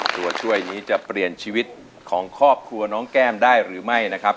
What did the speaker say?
ตัวช่วยนี้จะเปลี่ยนชีวิตของครอบครัวน้องแก้มได้หรือไม่นะครับ